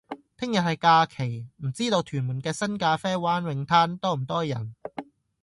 聽日係假期，唔知道屯門嘅新咖啡灣泳灘多唔多人？